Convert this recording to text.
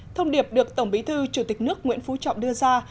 thông điệp được tổng bí thư chủ tịch nước nguyễn phú trọng đưa ra